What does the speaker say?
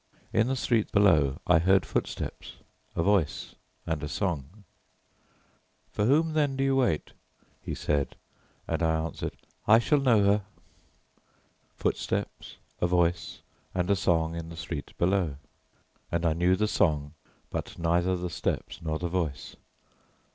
In the street below I heard footsteps, a voice, and a song. "For whom then do you wait?" he said, and I answered, "I shall know her." Footsteps, a voice, and a song in the street below, and I knew the song but neither the steps nor the voice.